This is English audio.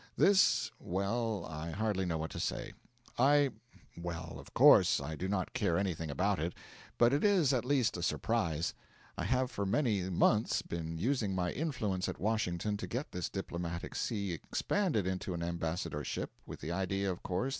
This well, I hardly know what to say. I well, of course, I do not care anything about it; but it is at least a surprise. I have for many months been using my influence at Washington to get this diplomatic see expanded into an ambassadorship, with the idea, of course th But never mind.